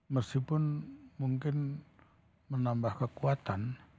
meskipun mungkin menambah kekuatan